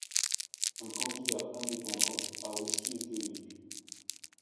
Un candidat indépendant a aussi été élu.